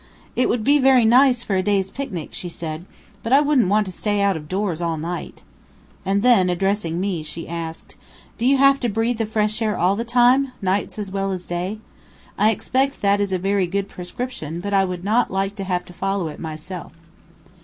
"It would be very nice for a day's picnic," she said; "but I wouldn't want to stay out of doors all night." And then, addressing me, she asked: "Do you have to breathe the fresh air all the time, night as well as day? I expect that is a very good prescription, but I would not like to have to follow it myself."